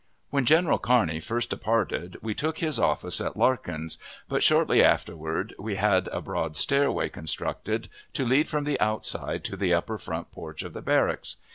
When General Kearney first departed we took his office at Larkin's; but shortly afterward we had a broad stairway constructed to lead from the outside to the upper front porch of the barracks.